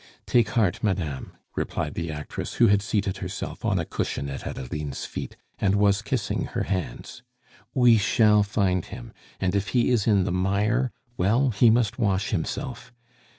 "Take heart, madame," replied the actress, who had seated herself on a cushion at Adeline's feet, and was kissing her hands. "We shall find him; and if he is in the mire, well, he must wash himself.